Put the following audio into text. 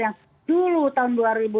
yang dulu tahun dua ribu dua